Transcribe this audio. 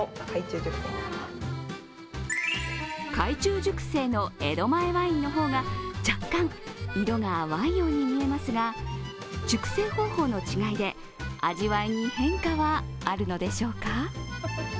海中熟成の江戸前ワインの方が若干、色が淡いように見えますが、熟成方法の違いで味わいに変化はあるのでしょうか。